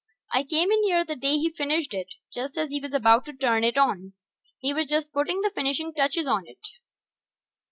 I came in here the day he finished it, just as he was ready to turn it on. He was just putting the finishing touches on it.